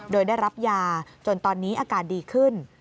โดยได้รับยาจนตอนนี้อาการดีขึ้น